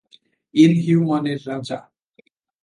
Inhuman এর রাজা।